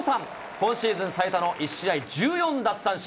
今シーズン最多の１試合１４奪三振。